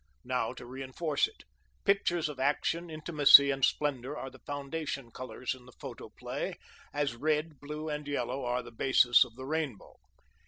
Now to reënforce it. Pictures of Action Intimacy and Splendor are the foundation colors in the photoplay, as red, blue, and yellow are the basis of the rainbow.